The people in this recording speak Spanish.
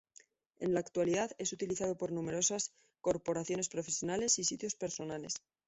En la actualidad, es utilizado por numerosas corporaciones profesionales y sitios personales.